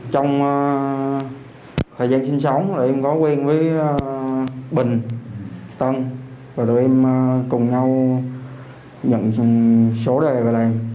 trong thời gian sinh sống là em có quen với bình tân và tụi em cùng nhau nhận số đề và làm